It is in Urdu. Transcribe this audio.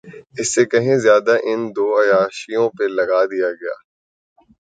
اس سے کہیں زیادہ ان دو عیاشیوں پہ لگا دیا گیا۔